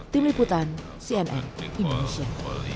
tim liputan cnn indonesia